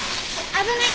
危ない。